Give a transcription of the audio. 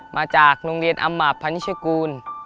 มาจากโรงเรียนอำมาตพันนิชกูล